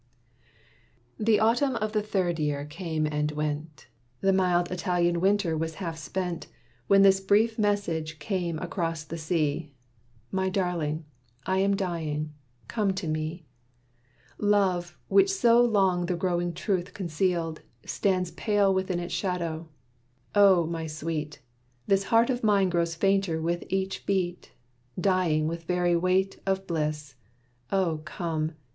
The Autumn of the third year came and went; The mild Italian winter was half spent, When this brief message came across the sea: "My darling! I am dying. Come to me. Love, which so long the growing truth concealed, Stands pale within its shadow. O, my sweet! This heart of mine grows fainter with each beat Dying with very weight of bliss. O, come!